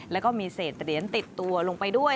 แล้วก็มีเศษเหรียญติดตัวลงไปด้วย